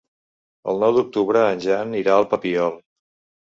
El nou d'octubre en Jan irà al Papiol.